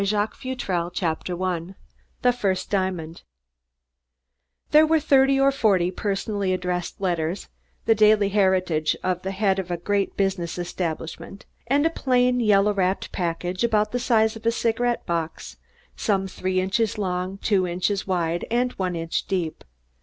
CZENKI EXPLAINS XVII THE GREAT CUBE CHAPTER I THE FIRST DIAMOND There were thirty or forty personally addressed letters, the daily heritage of the head of a great business establishment; and a plain, yellow wrapped package about the size of a cigarette box, some three inches long, two inches wide and one inch deep.